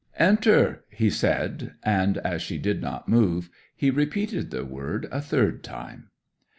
'"Enter!" he said, and, as she did not move, he repeated the word a third time.